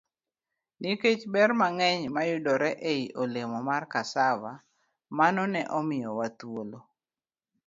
Nikech ber mang'eny mayudore ei olemo mar cassava, mano ne omiyowa thuolo